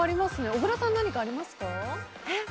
小倉さん何かありますか？